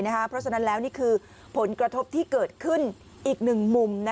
เพราะฉะนั้นแล้วนี่คือผลกระทบที่เกิดขึ้นอีกหนึ่งมุม